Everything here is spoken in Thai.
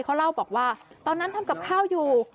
เขาเล่าบอกว่าตอนนั้นทำกับข้าวอยู่